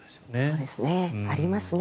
そうですね、ありますね。